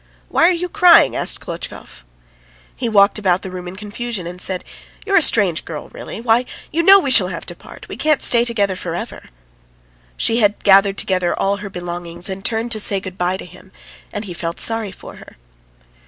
"Why are you crying?" asked Klotchkov. He walked about the room in confusion, and said: "You are a strange girl, really. ... Why, you know we shall have to part. We can't stay together for ever." She had gathered together all her belongings, and turned to say good bye to him, and he felt sorry for her.